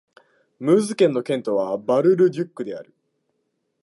ムーズ県の県都はバル＝ル＝デュックである